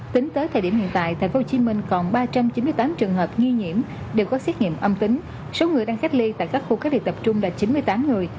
tính tới thời điểm hiện tại tp hcm còn ba trăm chín mươi tám trường hợp nghi nhiễm đều có xét nghiệm âm tính số người đang cách ly tại các khu cách ly tập trung là chín mươi tám người